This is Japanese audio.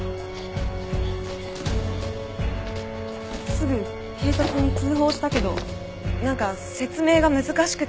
すぐ警察に通報したけどなんか説明が難しくて。